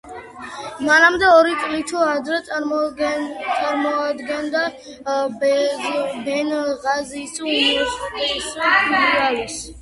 მანამდე ორი წლით ადრე წარმოადგენდა ბენღაზის უნივერსიტეტის ფილიალს.